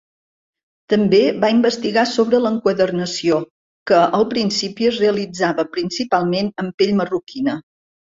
També va investigar sobre l'enquadernació, que al principi es realitzava principalment en pell marroquina.